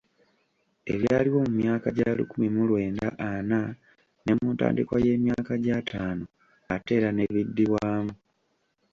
Ebyaliwo mu myaka gya lukumi mu lwenda ana ne mu ntandikwa y’emyaka gy’ataano ate era n’ebiddibwamu.